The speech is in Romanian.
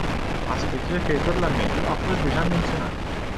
Aspectul referitor la mediu a fost deja menționat.